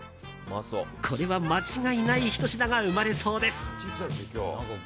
これは間違いないひと品が生まれそうです。